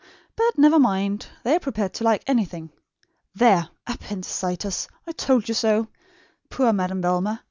But never mind; they are prepared to like anything. There! APPENDICITIS! I told you so. Poor Madame Velma!